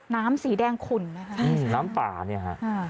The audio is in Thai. น้ำสีแดงขุ่นนะคะใช่ค่ะน้ำป่านี่ค่ะ